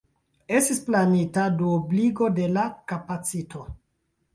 Estis planita duobligo de la kapacito.